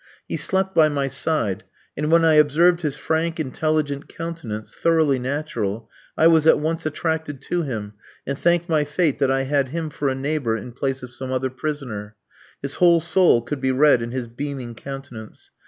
He slept by my side, and when I observed his frank, intelligent countenance, thoroughly natural, I was at once attracted to him, and thanked my fate that I had him for a neighbour in place of some other prisoner. His whole soul could be read in his beaming countenance.